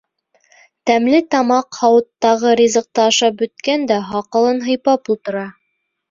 Тәмле тамаҡ һауыттағы ризыҡты ашап бөткән дә һаҡалын һыйпап ултыра.